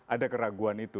ada keraguan itu